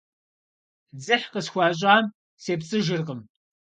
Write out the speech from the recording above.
Дзыхь къысхуащӀам сепцӀыжыркъым.